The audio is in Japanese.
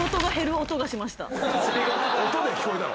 音で聞こえたの？